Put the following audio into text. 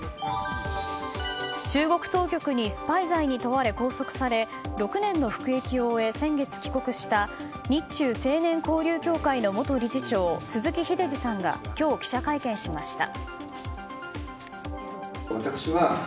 中国当局にスパイ罪に問われ、拘束され６年の服役を終え先月、帰国した日中青年交流協会の元理事長鈴木英司さんが今日、記者会見しました。